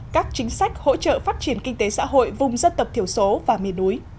các chính sách hỗ trợ phát triển kinh tế xã hội vùng dân tộc thiểu số và miền núi